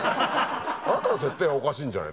あなたの設定がおかしいんじゃない？